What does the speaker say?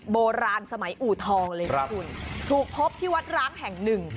โบราณสมัยอู่ทองเลยนะคุณถูกพบที่วัดร้างแห่งหนึ่ง